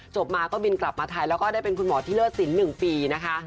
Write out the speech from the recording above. มาก็บินกลับมาไทยแล้วก็ได้เป็นคุณหมอที่เลิศสิน๑ปีนะคะ